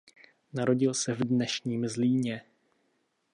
Narodil se v dnešním Zlíně.